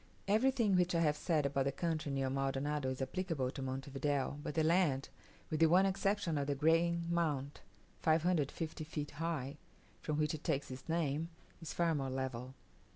Everything which I have said about the country near Maldonado is applicable to Monte Video; but the land, with the one exception of the Green Mount 450 feet high, from which it takes its name, is far more level.